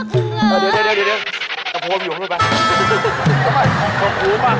ออกหูมาปัดปัดสุ่มสุ่มสุกข้างหูก็แหละ